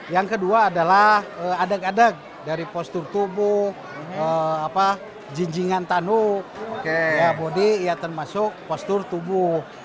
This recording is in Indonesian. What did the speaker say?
yang kedua adalah adak ada dari postur tubuh jinjingan tanuk bodi ya termasuk postur tubuh